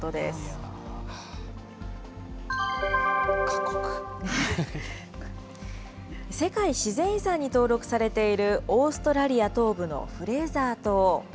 いやー、世界自然遺産に登録されている、オーストラリア東部のフレーザー島。